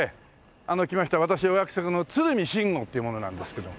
私お約束の鶴見辰吾っていう者なんですけども。